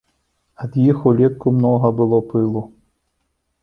Ад іх улетку многа было пылу.